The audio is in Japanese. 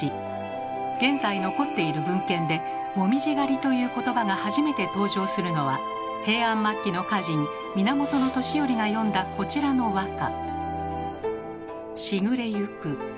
現在残っている文献で「もみじ狩り」という言葉が初めて登場するのは平安末期の歌人源俊頼が詠んだこちらの和歌。